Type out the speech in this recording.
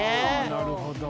なるほど。